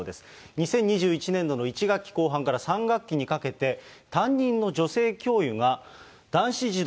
２０２１年度の１学期後半から３学期にかけて、担任の女性教諭が、男子児童、